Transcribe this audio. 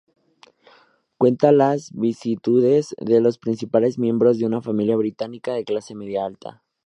Cuenta las vicisitudes de los principales miembros de una familia británica de clase media-alta.